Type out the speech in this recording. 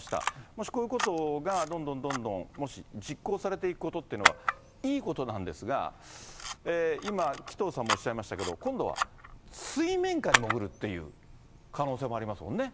もしこういうことがどんどんどんどん、もし実行されていくということはいいことなんですが、今、紀藤さんもおっしゃいましたけど、今度は水面下に潜るっていう可能性もありますもんね。